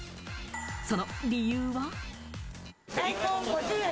その理由は。